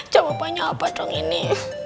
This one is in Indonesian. jawabannya apa dong ini